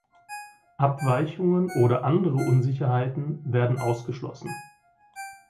Abweichungen oder andere Unsicherheiten werden ausgeschlossen.